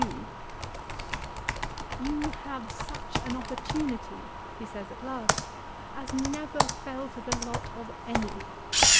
" You have such an opportunity," he says at last, " as never fell to the lot of any.